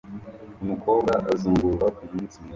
Umukobwa azunguruka kumunsi mwiza